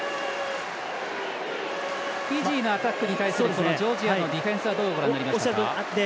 フィジーにアタックに対するジョージアのディフェンスはどうご覧になりますか？